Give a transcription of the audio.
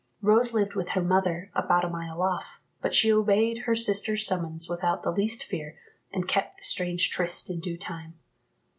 Rose lived with her mother, about a mile off, but she obeyed her sister's summons without the least fear, and kept the strange tryste in due time.